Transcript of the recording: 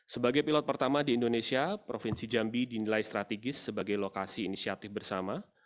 sebagai pilot pertama di indonesia provinsi jambi dinilai strategis sebagai lokasi inisiatif bersama